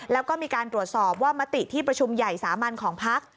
แล้วก็มีการตรวจสอบว่ามติที่ประชุมใหญ่สามัญของพัก